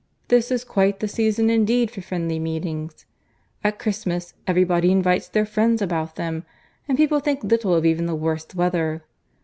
This is quite the season indeed for friendly meetings. At Christmas every body invites their friends about them, and people think little of even the worst weather.